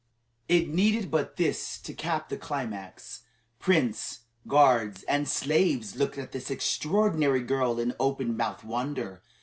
It needed but this to cap the climax. Prince, guards, and slaves looked at this extraordinary girl in open mouthed wonder.